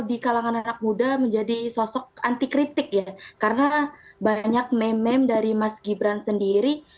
di kalangan anak muda menjadi sosok anti kritik ya karena banyak meme meme dari mas gibran sendiri